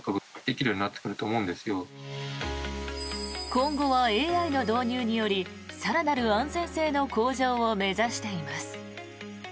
今後はＡＩの導入により更なる安全性の向上を目指しています。